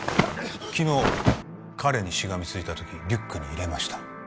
昨日彼にしがみついた時リュックに入れました